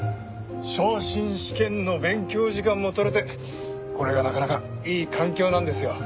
昇進試験の勉強時間もとれてこれがなかなかいい環境なんですよ。